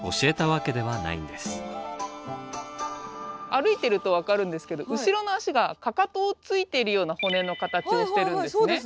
歩いてると分かるんですけど後ろの足がかかとをついてるような骨の形をしてるんですね。